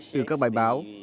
từ các bài báo